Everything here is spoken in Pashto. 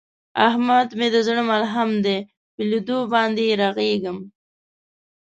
احمد مې د زړه ملحم دی، په لیدو باندې یې رغېږم.